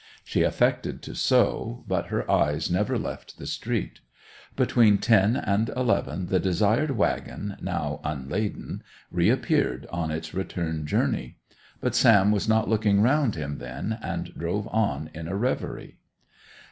She affected to sew, but her eyes never left the street. Between ten and eleven the desired waggon, now unladen, reappeared on its return journey. But Sam was not looking round him then, and drove on in a reverie.